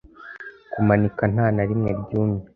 kumanika nta na rimwe ryumye